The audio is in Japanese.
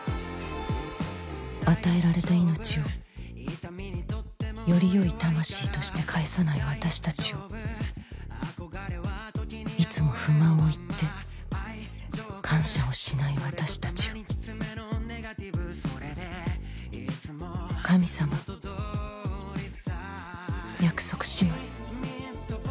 与えられた命をよりよい魂として返さない私たちをいつも不満を言って感謝をしない私たちを神様約束します